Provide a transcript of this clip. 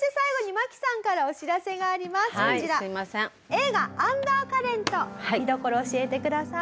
映画『アンダーカレント』見どころを教えてください。